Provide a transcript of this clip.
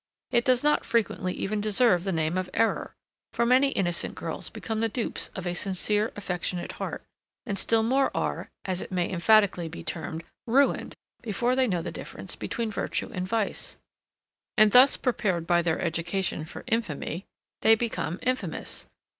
It does not frequently even deserve the name of error; for many innocent girls become the dupes of a sincere affectionate heart, and still more are, as it may emphatically be termed, RUINED before they know the difference between virtue and vice: and thus prepared by their education for infamy, they become infamous.